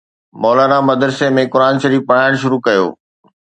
مولانا مدرسي ۾ قرآن شريف پڙهائڻ شروع ڪيو